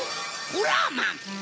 ホラーマン。